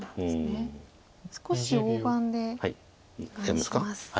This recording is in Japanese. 少し大盤でお願いします。